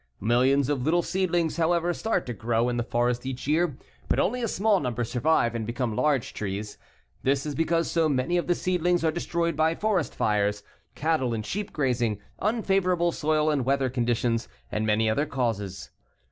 Millions of little seedlings, however, start to grow in the forest each year, but only a small number survive and become large trees. This is because so many of the seedlings are destroyed by forest fires, cattle and sheep grazing, unfavorable soil and weather conditions, and many other causes.